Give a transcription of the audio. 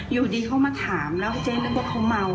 อยู่ดีเขามาถามแล้วเจ๊นึกว่าเขาเมา